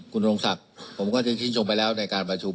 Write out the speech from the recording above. คุณโรงศักดิ์ผมก็ชื่นชมไปแล้วในการประชุม